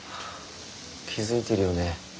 気付いてるよね？